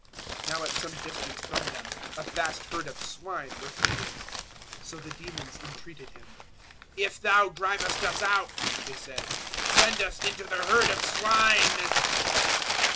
008:030 Now at some distance from them a vast herd of swine were feeding. 008:031 So the demons entreated Him. "If Thou drivest us out," they said, "send us into the herd of swine."